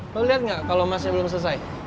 lo lihat gak kalau masnya belum selesai